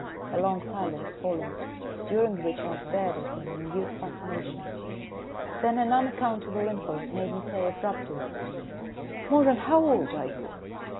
A long silence followed, during which I stared at him in mute fascination. Then an unaccountable impulse made me say abruptly: "Moeran, how old are you?"